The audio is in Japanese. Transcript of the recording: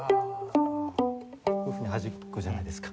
こういうふうにはじくじゃないですか。